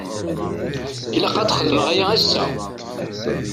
Ilaq ad xedmeɣ aya ass-a.